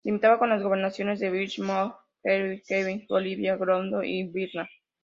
Limitaba con las gobernaciones de Vítebsk, Maguilov, Chernígov, Kiev, Volinia, Grodno y Vilna.